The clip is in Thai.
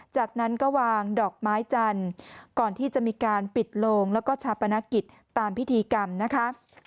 จากนั้นก็วางดอกไม้จันทร์ก่อนที่จะมีการปิดโลงแล้วก็ชาปนกิจตามพิธีกรรมนะคะ